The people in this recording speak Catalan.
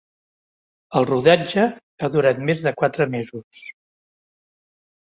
El rodatge ha durat més de quatre mesos.